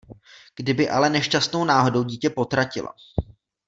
Kdyby ale nešťastnou náhodou dítě potratila...